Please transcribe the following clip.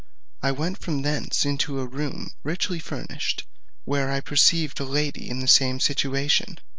I went from thence into a room richly furnished, where I perceived a lady in the same situation.